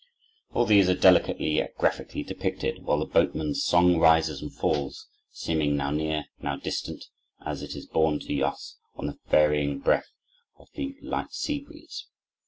All these are delicately yet graphically depicted, while the boatman's song rises and falls, seeming now near, now distant, as it is borne to us on the varying breath of the light sea breeze.